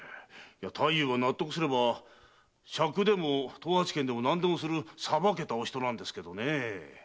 太夫は納得すれば酌でも藤八拳でも何でもするさばけたお人なんですけどねえ。